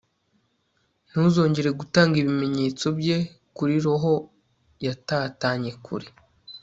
Ntuzongere gutanga ibimenyetso bye kuri roho yatatanye kure